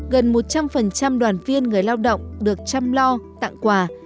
gần một trăm linh đoàn viên người lao động được chăm lo tặng quà